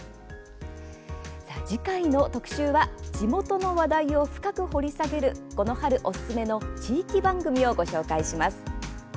次回の特集は地元の話題を深く掘り下げるこの春おすすめの地域番組を紹介します。